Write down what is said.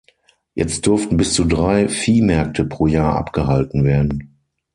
Jetzt durften bis zu drei Viehmärkte pro Jahr abgehalten werden.